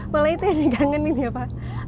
malah itu yang dikangenin ya pak